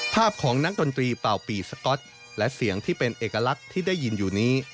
ภาพของนักดนตรีเป่าปีสก๊อตและเสียงที่เป็นเอกลักษณ์ที่ได้ยินอยู่นี้